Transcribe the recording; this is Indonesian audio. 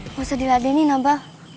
gak usah diladenin abang